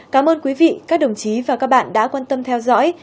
cảm ơn quý vị các đồng chí và các bạn đã quan tâm theo dõi